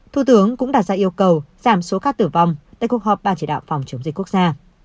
thủ tướng cũng đặt ra yêu cầu giảm số ca tử vong tại cuộc họp ban chỉ đạo phòng chống dịch quốc gia